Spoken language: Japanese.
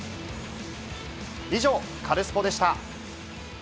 以上、カルスポっ！でした。